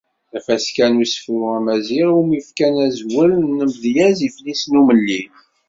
Tafaska n usefru amaziɣ iwumi fkan azwel n “Amedyez Iflisen Umellil."